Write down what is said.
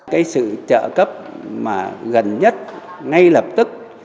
cái sự trợ cấp mà gần nhất ngay lập tức